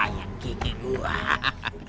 aduh ayah kiki gue